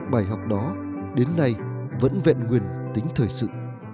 bài học đó đến nay vẫn vẹn nguyên tính thời sự